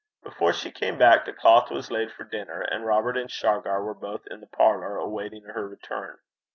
Before she came back the cloth was laid for dinner, and Robert and Shargar were both in the parlour awaiting her return.